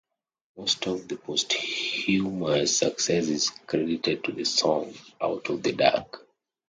Most of the posthumous success is credited to the song 'Out of the Dark'.